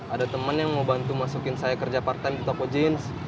ada temen yang mau bantu masukin saya kerja part time di toko jeans